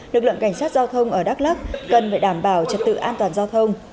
lực lượng cảnh sát giao thông ở đắk lắc cần phải đảm bảo trật tự an toàn giao thông